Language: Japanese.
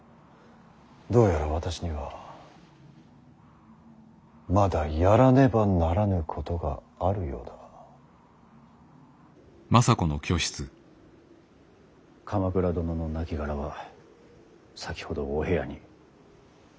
どうやら私にはまだやらねばならぬことがあるようだ。鎌倉殿の亡骸は先ほどお部屋に。